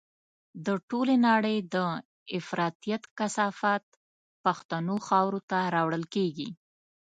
د ټولې نړۍ د افراطيت کثافات پښتنو خاورو ته راوړل کېږي.